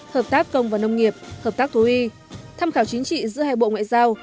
hợp tác công và nông nghiệp hợp tác thú y tham khảo chính trị giữa hai bộ ngoại giao